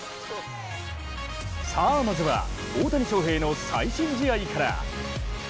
さあ、まずは大谷翔平の最新試合から。